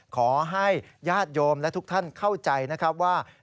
ขอให้ญาติโยมและทุกท่านเข้าใจนะครับว่า